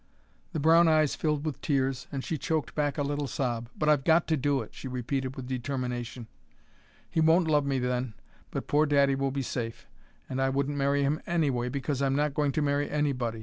The brown eyes filled with tears, and she choked back a little sob. "But I've got to do it," she repeated with determination. "He won't love me then, but poor daddy will be safe. And I wouldn't marry him anyway, because I'm not going to marry anybody.